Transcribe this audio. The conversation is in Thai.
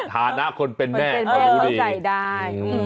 ฐานาคลเป็นแม่โอ้โหรู้ดี